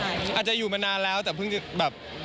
อาจจะอยู่มานานแล้วแต่เพิ่งจะแบบ